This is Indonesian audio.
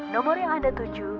nombor yang anda tuju